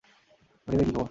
বাকিদের কী খবর?